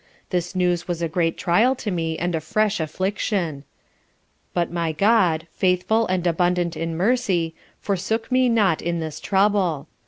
This news was a great trial to me and a fresh affliction: but my God, faithful and abundant in mercy, forsook me not in this trouble.